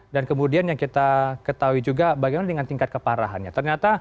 dan kemudian yang kita ketahui juga bagaimana dengan tingkat keparahannya